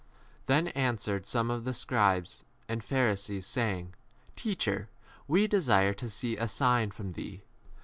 88 Then answered r some of the scribes and Pharisees saying, Teacher, we desire to see a sign 39 from thee.